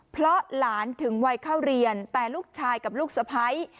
เพราะหลานถึงวัยเข้าเรียนแต่ลูกชายกับลูกสะพ้าย